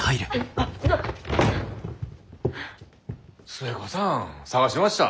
寿恵子さん捜しました。